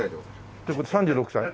って事は３６歳？